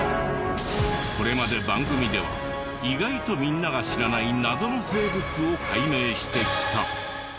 これまで番組では意外とみんなが知らない謎の生物を解明してきた。